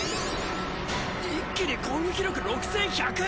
一気に攻撃力６１００！？